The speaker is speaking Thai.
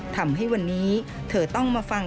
ทำให้วันนี้เธอต้องมาฟัง